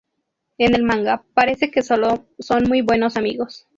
En el Manga parece que solo son muy buenos amigos.